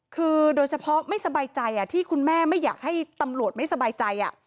คือโดยเฉพาะไม่สบายใจที่คุณแม่ไม่อยากให้ตำรวจไม่สบายใจ